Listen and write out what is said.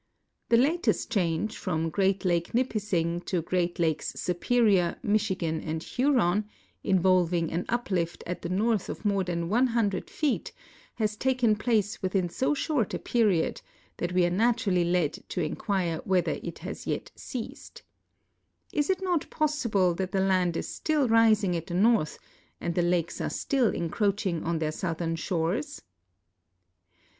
Tlie latest change, from Great Lake Nipissing to Great Lakes Supe rior, Michigan, and Huron, involving an uplift at the north of more than 100 feet, has taken place within so short a period that we are naturally led to inquire whether it has yet ceast. Is it not probable that the land is still rising at the north and the lakes are still encroaching on their southern shores?